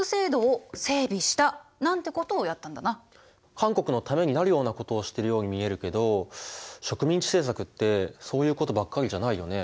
韓国のためになるようなことをしてるように見えるけど植民地政策ってそういうことばっかりじゃないよね。